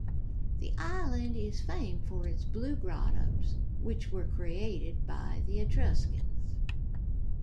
The island is famed for its Blue Grottoes, which were created by the Etruscans.